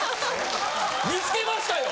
見つけましたよ！